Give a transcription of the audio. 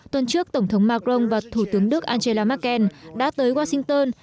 tuần trước tổng thống macron và thủ tướng đức angela merkel đã tới washington